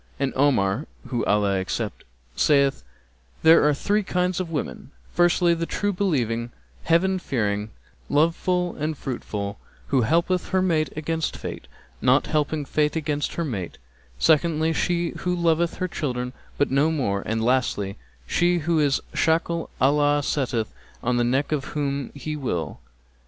And Omar (whom Allah accept!) saith, 'There are three kinds of women, firstly the true believing, Heaven fearing, love full and fruit full, who helpeth her mate against fate, not helping fate against her mate; secondly, she who loveth her children but no more and, lastly, she who is a shackle Allah setteth on the neck of whom He will.'